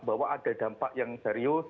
bahwa ada dampak yang serius